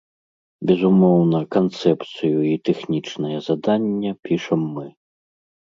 Безумоўна, канцэпцыю і тэхнічнае заданне пішам мы.